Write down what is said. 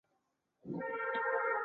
芫花为瑞香科瑞香属下的一个种。